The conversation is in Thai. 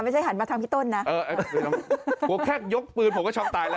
ไม่ใช่หันมาทางพี่ต้นนะเออโหแค่ยกปืนผมก็ชอบตายแล้ว